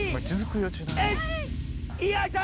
よいしょ！